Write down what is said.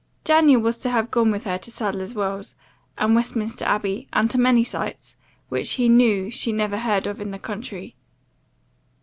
Daniel was to have gone with her to Sadler's Wells, and Westminster Abbey, and to many sights, which he knew she never heard of in the country.